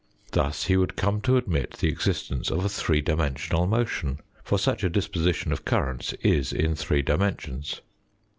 Thus he would come to admit the existence of a three dimensional motion, for such a disposition of currents is in three dimensions.